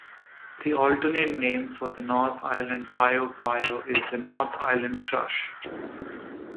An alternate name for the North Island piopio is the North Island thrush.